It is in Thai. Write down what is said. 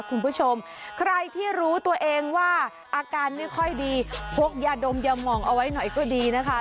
คุณผู้ชมใครที่รู้ตัวเองว่าอาการไม่ค่อยดีพกยาดมยามองเอาไว้หน่อยก็ดีนะคะ